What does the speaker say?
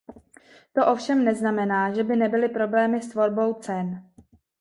To ovšem neznamená, že by nebyly problémy s tvorbou cen.